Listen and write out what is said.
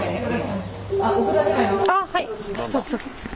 ☎ああはい！